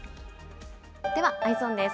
ではＥｙｅｓｏｎです。